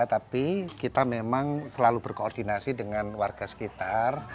tapi kita memang selalu berkoordinasi dengan warga sekitar